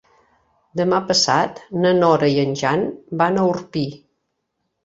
Demà passat na Nora i en Jan van a Orpí.